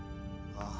ああ。